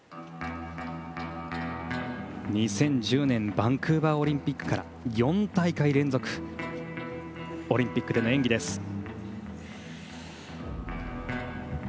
２０１０年バンクーバーオリンピックから４大会連続オリンピックでの演技です。